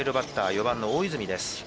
４番の大泉です。